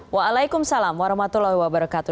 waalaikumsalam warahmatullahi wabarakatuh